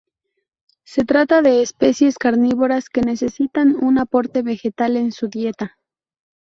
Se trata de especies carnívoras, que necesitan un aporte vegetal en su dieta.